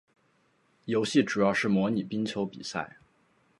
游戏主要是模拟冰球比赛。